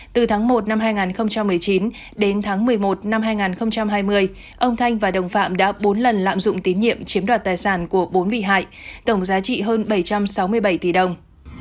từ tháng một năm hai nghìn một mươi chín đến tháng một mươi một năm hai nghìn hai mươi ông thanh và đồng phạm đã bốn lần lạm dụng tín nhiệm chiếm đoạt tài sản của bốn bị hại tổng giá trị hơn bảy trăm sáu mươi bảy tỷ đồng